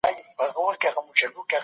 اویا؛ اووه ډلي دي.